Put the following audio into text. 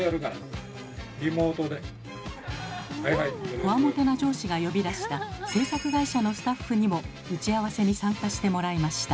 こわもてな上司が呼び出した制作会社のスタッフにも打ち合わせに参加してもらいました。